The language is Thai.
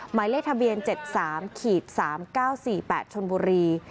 หมายเลขทะเบียน๗๓๓๙๔๘ชนบุรี